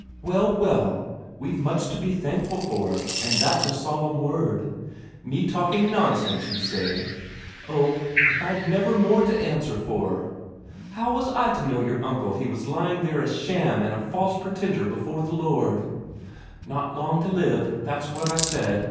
Well, well, we've much to be thankful for, and that's a solemn word! Me talking nonsense, you say? Oh, if I'd never more to answer for! How was I to know your uncle he was lying there a sham and a false pretender before the Lord? Not long to live, that's what I said.